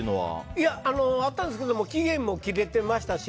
いや、あったんですけど期限も切れてましたし。